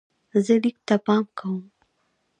زه لیک ته پام کوم.